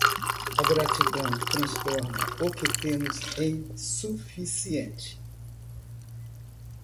A gratidão transforma o que temos em suficiente.